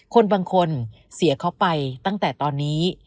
คนบางคนเสียเขาไปตั้งแต่ตอนนี้